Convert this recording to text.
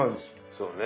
そうね。